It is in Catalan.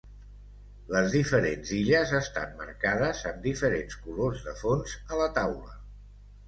Les diferents illes estan marcades amb diferents colors de fons a la taula.